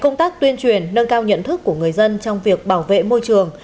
công tác tuyên truyền nâng cao nhận thức của người dân trong việc bảo vệ môi trường